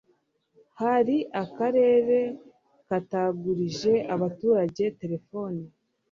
hari akarere katagurije abaturage telefoni